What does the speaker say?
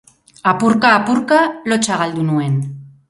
Apurka-apurka lotsa galdu nuen.